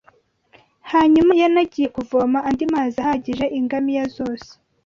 Hanyuma yanagiye kuvoma andi mazi ahagije ingamiya zose